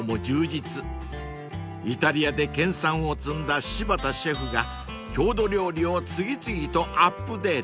［イタリアで研さんを積んだ柴田シェフが郷土料理を次々とアップデート］